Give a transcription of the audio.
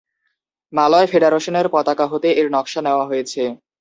মালয় ফেডারেশনের পতাকা হতে এর নকশা নেয়া হয়েছে।